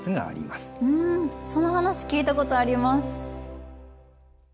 その話聞いたことあります。